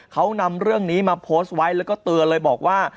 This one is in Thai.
เขานำเรื่องนี้มาโพสต์ไว้แล้วก็เตือนเลยบอกว่า